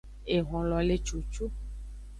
Ehonlo le cucu.